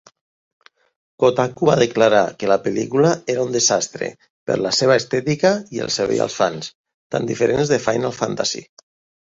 Kotaku va declarar que la pel·lícula era "un desastre", per la seva estètica i el servei als fans, tan diferents de Final Fantasy.